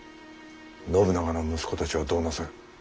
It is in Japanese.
信長の息子たちはどうなさる？